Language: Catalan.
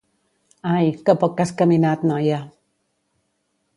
Ai, que poc que has caminat, noia!